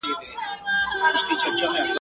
نه د چا غلیم یم نه حسد لرم په زړه کي !.